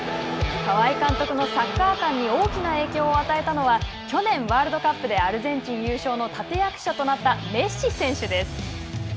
川井監督のサッカー感に大きな影響を与えたのは去年、ワールドカップでアルゼンチン優勝の立て役者となったメッシ選手です。